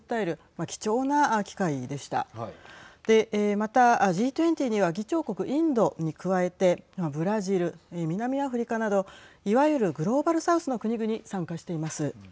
またＧ２０には議長国インドに加えてブラジル、南アフリカなどいわゆるグローバル・サウスの国々、参加しています。